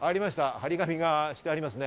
張り紙がしてありますね。